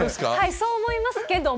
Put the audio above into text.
そう思いますけども。